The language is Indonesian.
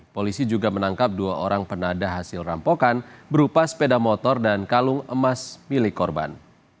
polisi juga menangkap dua orang penadah hasil rampokan berupa sepeda motor dan kalung emas milik korban